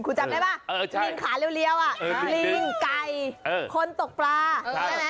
คุณจำได้ป่ะลิงขาเรียวลิงไก่คนตกปลาใช่ไหม